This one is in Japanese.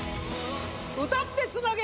歌ってつなげ！